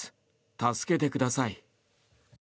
助けてください。